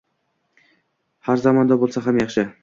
Har zamonda bo‘lsa ham yaxshi.